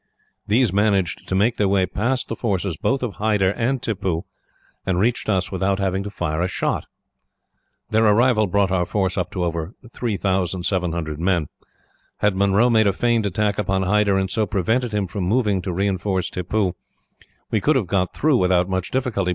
These managed to make their way past the forces both of Hyder and Tippoo, and reached us without having to fire a shot. "Their arrival brought our force up to over three thousand seven hundred men. Had Munro made a feigned attack upon Hyder, and so prevented him from moving to reinforce Tippoo, we could have got through without much difficulty.